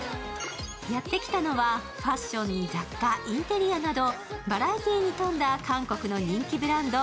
やってきたのは、ファッションに雑貨、インテリアなどバラエティーに富んだ韓国の人気ブランド